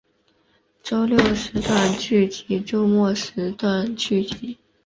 周六时段剧集周末时段剧集